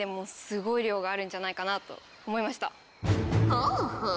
ほうほう。